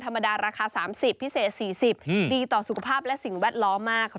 ธรรมดาราคาสามสิบพิเศษสี่สิบอืมดีต่อสุขภาพและสิ่งแวดล้อมาก